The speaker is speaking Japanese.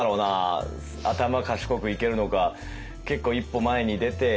頭賢くいけるのか結構一歩前に出て。